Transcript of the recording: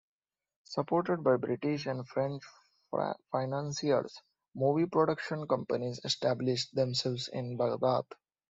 Supported by British and French financiers, movie production companies established themselves in Baghdad.